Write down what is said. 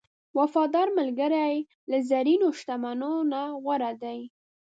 وفادار ملګری له زرینو شتمنیو نه غوره دی.